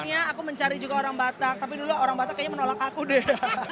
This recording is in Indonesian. soalnya aku mencari juga orang batak tapi dulu orang batak kayaknya menolak aku deh